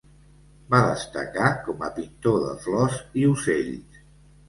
Va destacar com a pintor de flors i ocells.